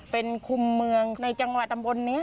เป็นคุมเมืองในจังหวัดตำบลนี้